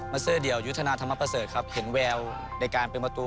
เซอร์เดี่ยวยุทธนาธรรมประเสริฐครับเห็นแววในการเป็นประตู